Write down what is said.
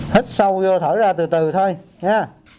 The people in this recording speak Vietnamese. hít sâu vô thở ra từ từ thôi nha